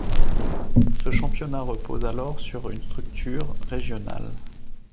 Ce championnat repose alors sur une structure régionale.